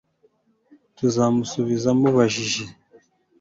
tuzagusubiza mubajije